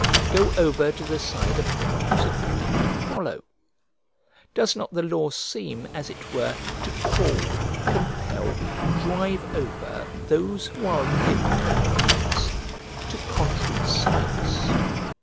Go over to the side of him whose opinion you follow: does not the law seem, as it were, to call, compel, drive over, those who are of different opinions, to contrary sides?